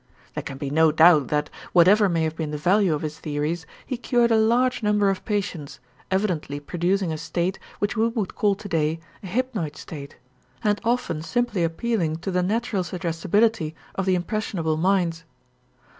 There can be no doubt that, whatever may have been the value of his theories, he cured a large number of patients, evidently producing a state which we would call today a hypnoid state and often simply appealing to the natural suggestibility of the impressionable minds.